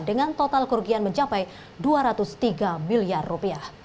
dengan total kerugian mencapai dua ratus tiga miliar rupiah